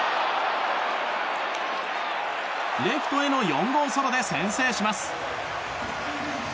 レフトへの４号ソロで先制します。